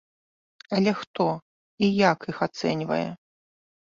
Але хто і як іх ацэньвае?